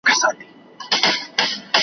زه به نه یم ستا جلګې به زرغونې وي .